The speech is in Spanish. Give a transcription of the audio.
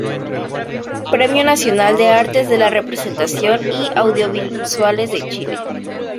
Premio Nacional de Artes de la Representación y Audiovisuales de Chile.